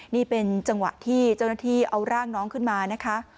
นี่เป็นจังหวะที่เจ้าหน้าที่เอาร่างน้องขึ้นมานะคะ